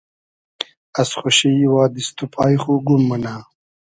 از خوشی وا دیست و پای خو گوم مونۂ